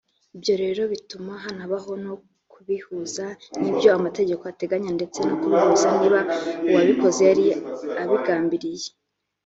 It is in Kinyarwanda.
Ibyo rero bituma hanabaho no kubihuza n’ibyo amategeko ateganya ndetse no kubihuza niba uwabikoze yari abigambiriye